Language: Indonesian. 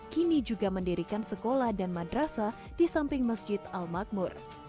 kini juga mendirikan sekolah dan madrasah di samping masjid al makmur